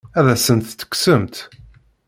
Ad as-tent-tekksemt?